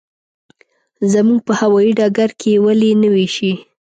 زموږ په هوايي ډګر کې یې ولې نه وېشي.